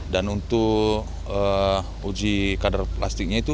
dan untuk uji kadar plastiknya itu